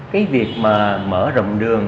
cái việc mà mở rộng đường